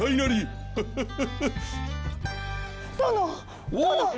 殿殿！